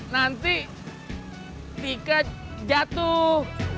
nanti tika jatuh